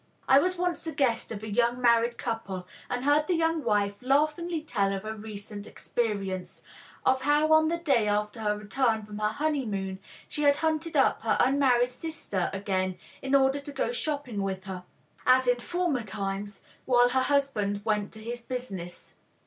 I was once the guest of a young married couple and heard the young wife laughingly tell of a recent experience, of how on the day after her return from her honeymoon she had hunted up her unmarried sister again in order to go shopping with her, as in former times, while her husband went to his business.